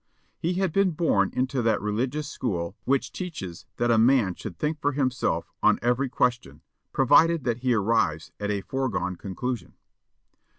He had been born into that religious school which teaches that a man should think for himself on every question, provided that he arrives at a foregone conclusion.